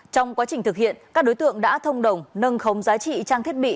trong quá trình thực hiện các đối tượng đã thông đồng nâng khống giá trị trang thiết bị